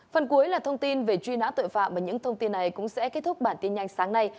phần cuối là thông tin về truy nã tội phạm và những thông tin này cũng sẽ kết thúc bản tin nhanh sáng nay